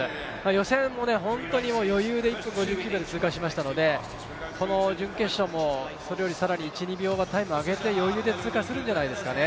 予選も本当に余裕で１分５９秒で通過しましたのでこの準決勝もそれより更に１２秒はタイムを上げて余裕で通過するんじゃないですかね。